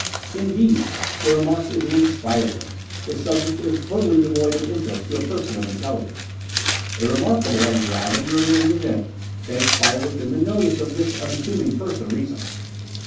Indeed, the remark is an inspired one; the subject is totally devoid of interest to a person of intelligence ... A remarkable and gravity removing event transpired within the notice of this unassuming person recently.